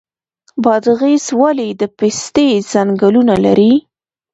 بادغیس ولې د پستې ځنګلونه لري؟